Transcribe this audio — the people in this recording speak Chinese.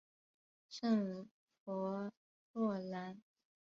圣弗洛兰。